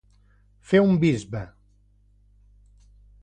Fer un bisbe.